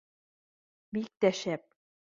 — Бик тә шәп